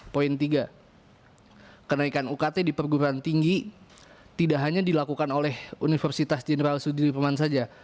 poin tiga kenaikan ukt di perguruan tinggi tidak hanya dilakukan oleh universitas jenderal sudirman saja